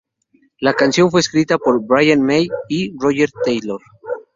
La canción fue escrita por Brian May y Roger Taylor.